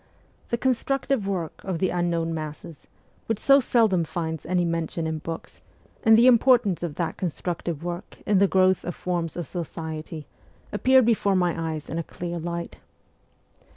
The constructive work of the unknown masses, which so seldom finds any mention in books, and the importance of that constructive work in the growth of forms of society, appeared before my eyes in a clear light.